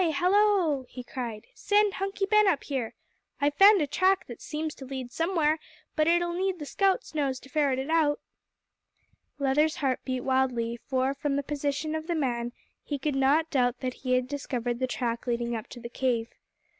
hallo!" he cried, "send Hunky Ben up here. I've found a track that seems to lead to somewhere, but it'll need the scout's nose to ferret it out." Leather's heart beat wildly, for, from the position of the man, he could not doubt that he had discovered the track leading up to the cave.